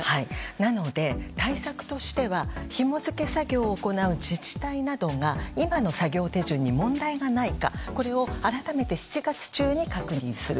なので、対策としてはひも付け作業を行う自治体などが今の作業手順に問題がないかこれを改めて７月中に確認する。